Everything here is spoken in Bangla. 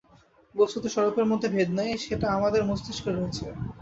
বস্তুর স্বরূপের মধ্যে ভেদ নেই, সেটা আমাদের মস্তিষ্কে রয়েছে।